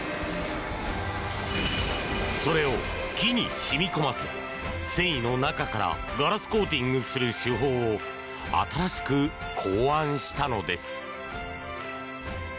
それを木に染み込ませ繊維の中からガラスコーティングする手法を新しく考案したのです。